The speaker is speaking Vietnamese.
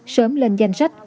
sớm lên danh sách